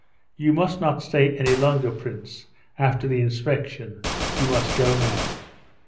"You must not stay any longer, Prince, after the inspection; you must go now."